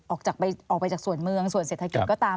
ออกไปจากส่วนเมืองส่วนเศรษฐกิจก็ตาม